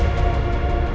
ya enggak apa apa